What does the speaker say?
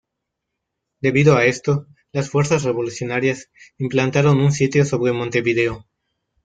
Debido a esto las fuerzas revolucionarias implantaron un sitio sobre Montevideo.